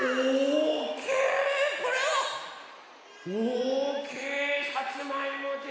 これはおおきいさつまいもですね！